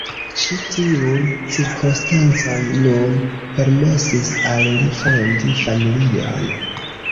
Ĉi tiuj cirkonstancoj nun permesis al li fondi familion.